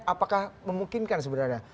apakah memungkinkan sebenarnya